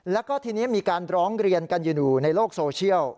แล้วก็ทีนี้มีการร้องเรียนกันอยู่ในโลกโซเชียล